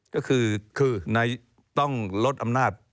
ก็คือต้องลดอำนาจ